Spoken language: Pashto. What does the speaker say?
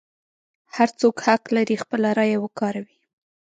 هر څوک حق لري خپله رایه وکاروي.